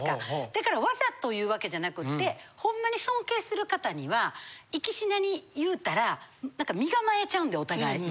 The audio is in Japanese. だからわざと言うわけじゃなくってホンマに尊敬する方には行きしなに言うたら身構えちゃうんでお互い。